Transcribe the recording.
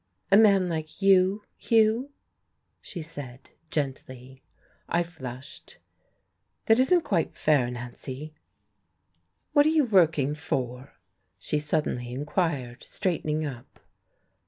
"A man like you, Hugh?" she said gently. I flushed. "That isn't quite fair, Nancy." "What are you working for?" she suddenly inquired, straightening up.